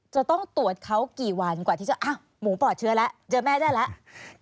จะต้องตรวจเขากี่วันกว่าที่จะหมูปลอดเชื้อแล้วเจอแม่ได้แล้ว